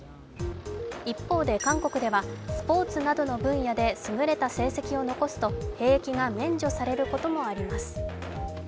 一方で韓国ではスポ−ツなどの分野で優れた成績を残すと兵役が免除されることもあります。